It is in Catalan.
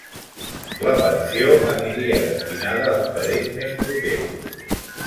La pensió aniria destinada als parents més propers.